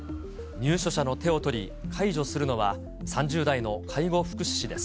入所者の手を取り、介助するのは、３０代の介護福祉士です。